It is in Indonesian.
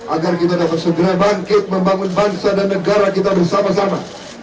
agar kita dapat segera bangkit membangun bangsa dan negara kita bersama sama